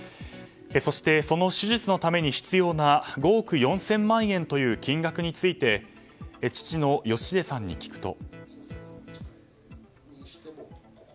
そして、その手術のために必要な５憶４０００万円という金額について父・好秀さんに聞くと。